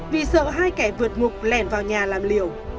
vì sợ hai kẻ vượt ngục lẻn vào nhà làm liều